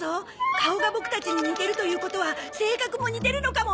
顔がボクたちに似てるということは性格も似てるのかも！